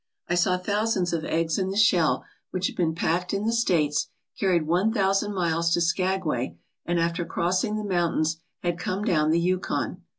I saw thousands of eggs in the shell which had been packed in the States, carried one thousand miles to Skagway, and after crossing the mountains, had come down the Yukon.